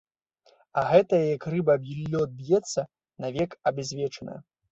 А гэтая як рыба аб лёд б'ецца, навек абязвечаная.